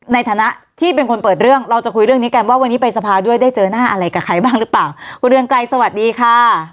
ในฐานะที่เป็นคนเปิดเรื่องเราจะคุยเรื่องนี้กันว่าวันนี้ไปสภาด้วยได้เจอหน้าอะไรกับใครบ้างหรือเปล่าคุณเรืองไกรสวัสดีค่ะ